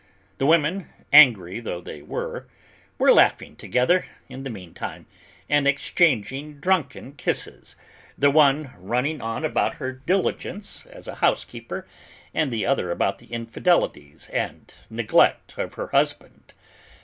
The women, angry though they were, were laughing together, in the meantime, and exchanging drunken kisses, the one running on about her diligence as a housekeeper, and the other about the infidelities and neglect of her husband.